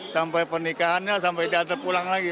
sampai pernikahannya sampai dada pulang lagi